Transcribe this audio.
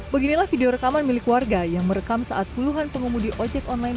beginilah video rekaman milik warga yang merekam saat puluhan pengemudi ojek online